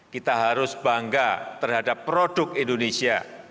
kita harus bangga terhadap produk indonesia